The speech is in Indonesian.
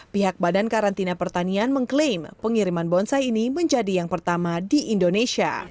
pihak badan karantina pertanian mengklaim pengiriman bonsai ini menjadi yang pertama di indonesia